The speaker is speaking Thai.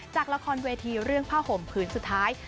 จากละครเวทีเรื่องผ้าห่มผืนสุดท้าย